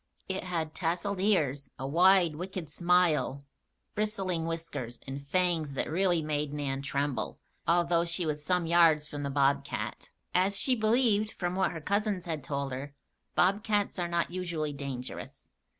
It had tasseled ears, a wide, wicked "smile," bristling whiskers, and fangs that really made Nan tremble, although she was some yards from the bobcat. As she believed, from what her cousins had told her, bobcats are not usually dangerous.